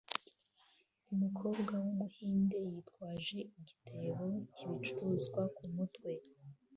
Umukobwa wumuhinde yitwaje igitebo cyibicuruzwa kumutwe